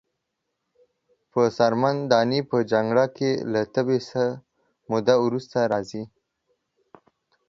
په څرمن دانی په جنکره کښی له تبی څه موده وروسته راځی۔